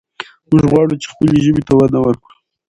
موږ غواړو چې خپلې ژبې ته وده ورکړو.